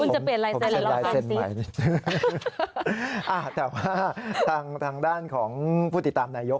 คุณจะเปลี่ยนลายเซ็นต์เหรอครับซิอ๋อแต่ว่าทางด้านของผู้ติดตามนายยก